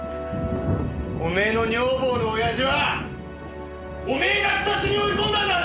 おめえの女房の親父はおめえが自殺に追い込んだんだろ！